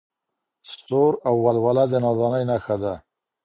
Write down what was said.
سور او ولوله د نادانۍ نښه ده.